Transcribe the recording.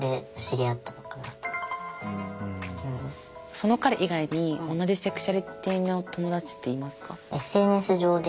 その彼以外に同じセクシュアリティーの友達っていますか？